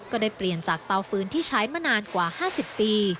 ก็ได้เปลี่ยนจากเตาฟื้นที่ใช้มานานกว่า๕๐ปี